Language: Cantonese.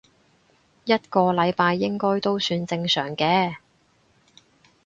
一個禮拜應該都算正常嘅